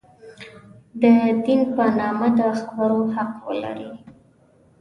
د دین په نامه د خبرو حق ولري.